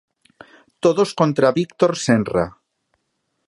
Todos contra Víctor Senra.